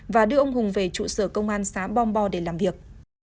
và đưa ông hùng về trụ sở công an xã bòm bò để làm việc